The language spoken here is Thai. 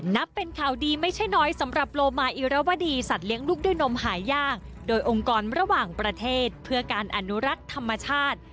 นับเป็นข่าวดีไม่ใช่น้อยสำหรับโลมาอิรวดีสัตว์เลี้ยงลูกด้วยนมหายากโดยองค์กรระหว่างประเทศเพื่อการอนุรักษ์ธรรมชาติ